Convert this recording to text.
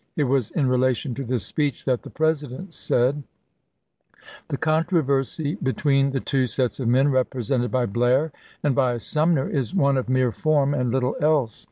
It was in relation to this speech that the President said :" The controversy between the two sets of men represented by Blair and by Sumner is one of mere form and little else.